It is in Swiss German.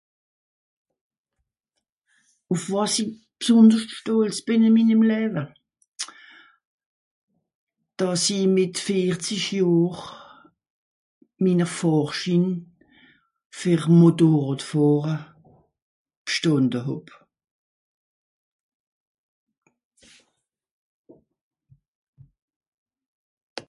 ùff wàs'i b'sonderscht stolz bìn ìm minim läwe dàss'i mìt vierzig johr minner fàhrschin ver motorràd fàhre b'schtonder hàb